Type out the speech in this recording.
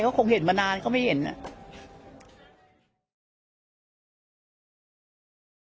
เขาคงเห็นมานานเขาไม่เห็นอ่ะ